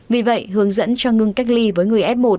vì vậy hướng dẫn cho ngưng cách ly với người f một